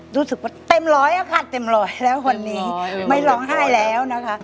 รู้สึกว่าเต็มร้อยอะค่ะเต็มร้อยแล้ววันนี้ไม่ร้องไห้แล้วนะคะ